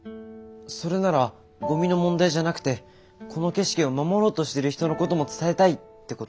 それならゴミの問題じゃなくてこの景色を守ろうとしてる人のことも伝えたい！ってこと？